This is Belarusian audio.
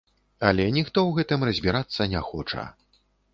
Але ніхто ў гэтым разбірацца не хоча.